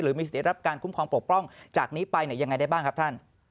หรือมีสิทธิ์รับการคุ้มครองปกป้องจากนี้ไปยังไงได้บ้างครับท่าน